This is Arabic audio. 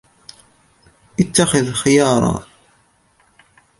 اتخذ خياراً.